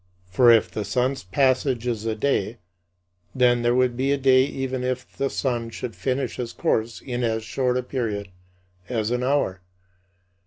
For if the sun's passage is the day, then there would be a day even if the sun should finish his course in as short a period as an hour.